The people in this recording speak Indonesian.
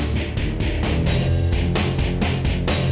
mending aku nyampe kamu aja